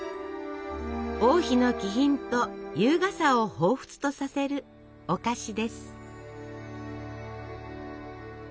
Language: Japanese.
王妃の気品と優雅さをほうふつとさせるお菓子です。